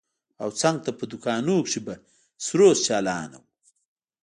او څنگ ته په دوکانونو کښې به سروذ چالان و.